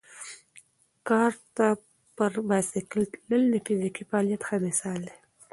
کارته پر بایسکل تلل د فزیکي فعالیت ښه مثال دی.